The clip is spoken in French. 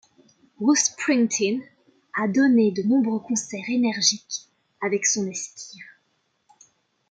Bruce Springsteen a donné de nombreux concerts énergiques avec son Esquire.